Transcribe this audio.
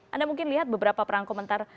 anda mungkin lihat beberapa perang komentar